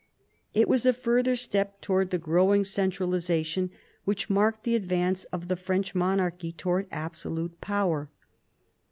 It was a further step towards the growing centralisation which marked the advance of the French monarchy towards absolute power.